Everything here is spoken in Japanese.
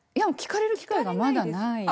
聞かれる機会がまだない。